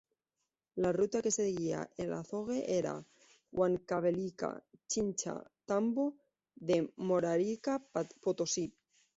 La ruta que seguía el azogue era: Huancavelica-Chincha-Tambo de Mora-Arica-Potosí.